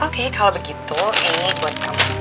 oke kalau begitu ini buat kamu